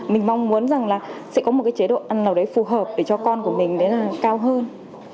mình mong muốn rằng là sẽ có một cái chế độ ăn nào đấy phù hợp để cho con của mình đến cao hơn